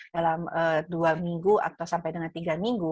dalam dua minggu atau sampai dengan tiga minggu